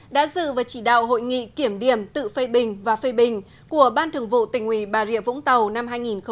đã dự và chỉ đạo hội nghị kiểm điểm tự phê bình và phê bình của ban thường vụ tỉnh ủy bà rịa vũng tàu năm hai nghìn một mươi chín